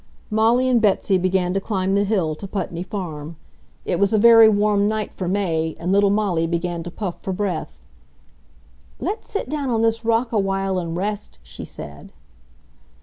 Molly and Betsy began to climb the hill to Putney Farm. It was a very warm night for May, and little Molly began to puff for breath. "Let's sit down on this rock awhile and rest," she said.